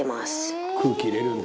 「空気入れるんだ」